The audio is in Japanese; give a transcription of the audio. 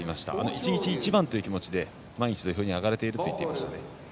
一日一番という気持ちで毎日、土俵に上がれていると言っていました。